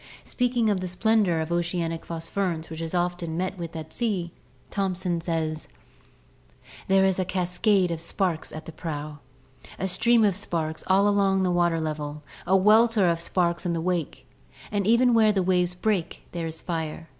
Speaking of the splendor of oceanic phosphorescence which is often met with at sea, Thomson says: NATURAL SELECTION 103 "There is a cascade of sparks at the prow, a stream of sparks all along the water level, a welter of sparks in the wake, and even where the waves break there is. fire.